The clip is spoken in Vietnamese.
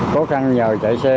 có khăn nhờ chạy xe